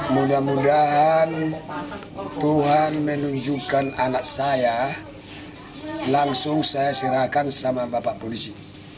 mudah mudahan tuhan menunjukkan anak saya langsung saya serahkan sama bapak polisi